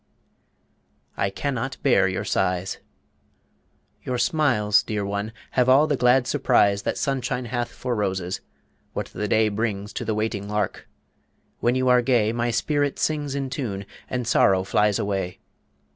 I CAN NOT BEAR YOUR SIGHS Your smiles, dear one, have all the glad surprise The sunshine hath for roses; what the day Brings to the waiting lark. When you are gay My spirit sings in tune, and sorrow flies Away.